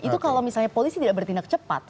itu kalau misalnya polisi tidak bertindak cepat